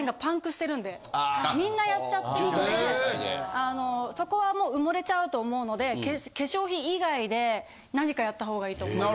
あのそこはもう埋もれちゃうと思うので化粧品以外で何かやった方がいいと思います。